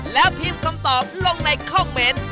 แล้วพิมพ์คำตอบลงในคอมเมนต์